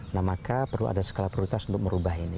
nah maka perlu ada skala prioritas untuk merubah ini